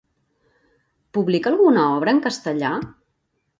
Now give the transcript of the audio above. Publica alguna obra en castellà?